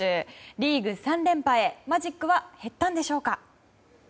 リーグ３連覇へマジックは減ったんでしょうか？